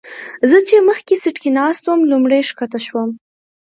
زه چې مخکې سیټ کې ناست وم لومړی ښکته شوم.